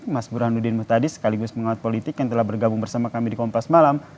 mas burhanuddin mutadi sekaligus pengawat politik yang telah bergabung bersama kami di kompas malam